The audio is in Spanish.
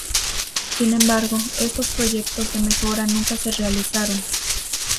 Sin embargo, estos proyectos de mejora nunca se realizaron.